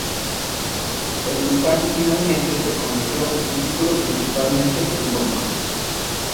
El sultán finalmente se convirtió en un título principalmente simbólico.